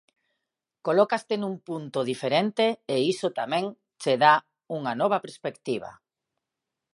Colócaste nun punto diferente e iso tamén che dá unha nova perspectiva.